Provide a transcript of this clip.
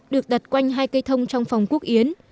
được đặt quanh hai cây thông trong phòng quốc yến